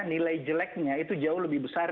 nilai jeleknya itu jauh lebih besar